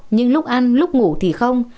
nhưng lúc ăn lúc ngủ thì không